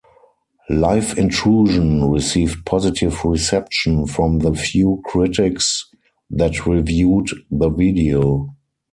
"Live Intrusion" received positive reception from the few critics that reviewed the video.